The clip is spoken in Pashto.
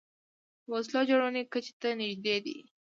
د وسلو جوړونې کچې ته نژدې دي